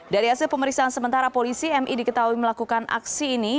dari hasil pemeriksaan sementara polisi mi diketahui melakukan aksi ini